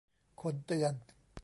คนเตือน